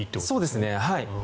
そうですね。